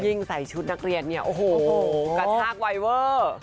ใส่ชุดนักเรียนเนี่ยโอ้โหกระชากไวเวอร์